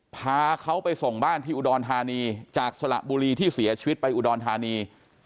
พาเขาไปส่งบ้านที่อุดรธานีจากสระบุรีที่เสียชีวิตไปอุดรธานี